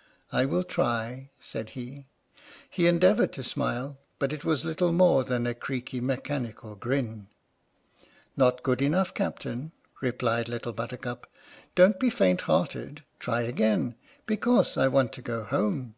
" I will try," said he. He endeavoured to smile, but it was little more than a creaky mechanical grin. " Not good enough, Captain," replied Little Buttercup, "don't be faint hearted; try again, because I want to go home."